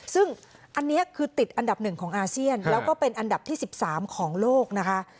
ซึ่งอันนี้คือติดอันดับ๑ของอาเซียนแล้วก็เป็นอันดับที่๑๓ของโลกนะคะ